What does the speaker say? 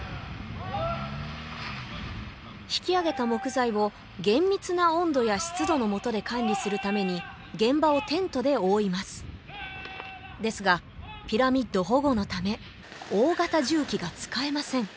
引き上げた木材を厳密な温度や湿度のもとで管理するために現場をテントで覆いますですがピラミッド保護のため大型重機が使えません